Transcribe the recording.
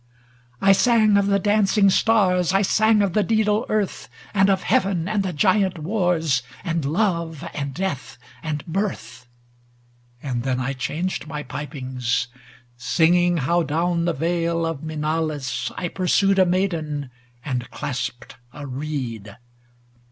Ill I sang of the dancing stars, I sang of the daedal Earth, And of Heaven ŌĆö and the giant wars, And Love, and Death, and Birth ; ŌĆö And then I changed my pipings. Singing how down the vale of Mienalus I pursued a maiden and clasped a reed.